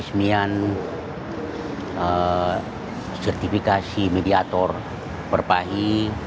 semian sertifikasi mediator perpahi